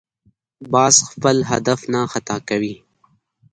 باز خپل هدف نه خطا کوي